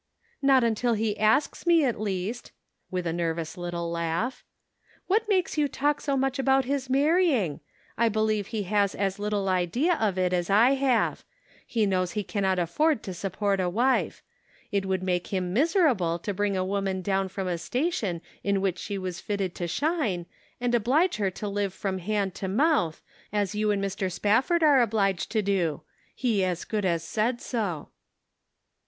" Not until he asks me, at least," with a nervous little laugh. " What makes you talk so much about his marrying? I believe 160 The Pocket Measure. he has as little idea of it as I have ; he knows he cannot afford 'to support a wife. It would make him miserable to bring a woman down from a station in which she was fitted to shine, and oblige her to live from hand to mouth, as you and Mr. Spafford are obliged to do. He as good as said so."